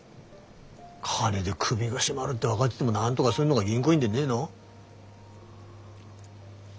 金で首が絞まるって分がってでもなんとがすんのが銀行員でねえの？